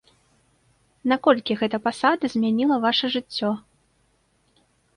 Наколькі гэта пасада змяніла ваша жыццё?